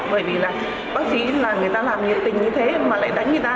bởi vì là bác sĩ là người ta làm nhiệt tình như thế mà lại đánh người ta